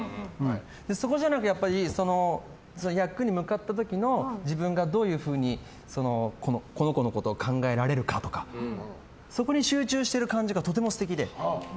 そこじゃなくて役に向かった時の自分がどういうふうにこの子のことを考えられるかとかそこに集中してる感じがとても素敵で。